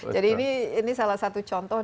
jadi ini salah satu contoh